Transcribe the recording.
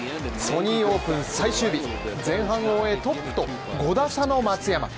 ソニーオープン最終日、前半を終えてトップと５打差の松山